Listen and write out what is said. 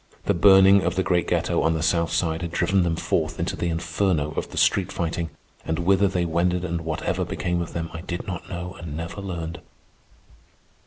The burning of the great ghetto on the South Side had driven them forth into the inferno of the street fighting, and whither they wended and whatever became of them I did not know and never learned.